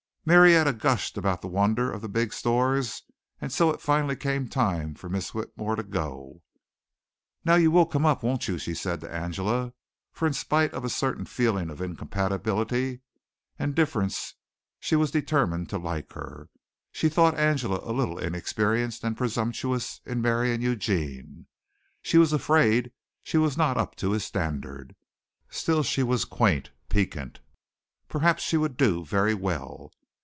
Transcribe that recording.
Marietta gushed about the wonder of the big stores and so it finally came time for Miss Whitmore to go. "Now you will come up, won't you?" she said to Angela, for in spite of a certain feeling of incompatibility and difference she was determined to like her. She thought Angela a little inexperienced and presumptuous in marrying Eugene. She was afraid she was not up to his standard. Still she was quaint, piquant. Perhaps she would do very well.